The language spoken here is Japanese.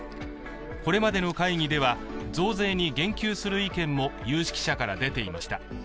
これまでの会議では、増税に言及する意見も有識者から出ていました。